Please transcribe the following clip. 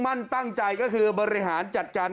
มั่นตั้งใจก็คือบริหารจัดการ